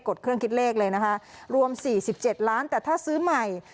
กดเครื่องคิดเลขเลยนะคะรวมสี่สิบเจ็ดล้านแต่ถ้าซื้อใหม่